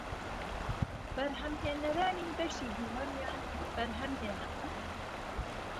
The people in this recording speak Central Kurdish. بەرهەمهێنەرانی بەشی دووەمیان بەرهەمهێنا